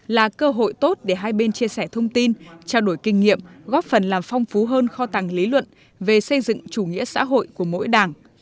là cơ hội tốt để hai bên chia sẻ thông tin trao đổi kinh nghiệm góp phần làm phong phú hơn kho tàng lý luận về xây dựng chủ nghĩa xã hội của mỗi đảng